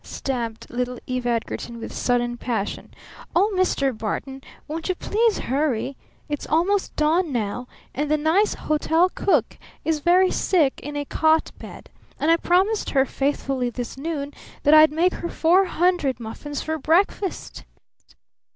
stamped little Eve Edgarton with sudden passion. "Oh, Mr. Barton won't you please hurry! It's almost dawn now! And the nice hotel cook is very sick in a cot bed. And I promised her faithfully this noon that I'd make four hundred muffins for breakfast!"